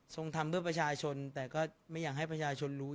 ทำเพื่อประชาชนแต่ก็ไม่อยากให้ประชาชนรู้